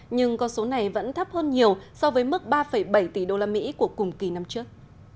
nhưng con số này vẫn thấp hơn nhiều so với mức ba bảy tỷ usd của cùng kỳ năm trước